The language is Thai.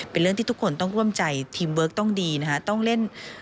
เป็นเรื่องที่ทุกคนต้องร่วมใจทีมเวิร์คต้องดีนะฮะต้องเล่น